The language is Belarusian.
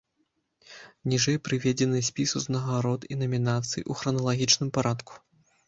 Ніжэй прыведзены спіс узнагарод і намінацый у храналагічным парадку.